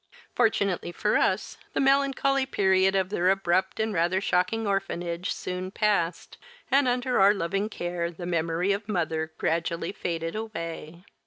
Fortunately for us, the melancholy period of their abrupt and rather shocking orphanage soon passed, and under our loving care the memory of mother gradually faded away.